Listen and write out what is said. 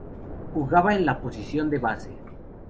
Jugaba en la posición de base.